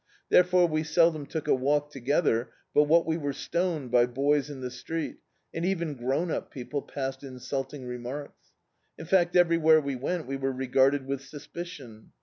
Therefore we seldom took a walk togedier but what we were stoned by boys in the street, and even grown up people passed insulting remarks. In fact every where we went we were regarded with suspicion.